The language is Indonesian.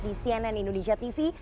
di cnn indonesia tv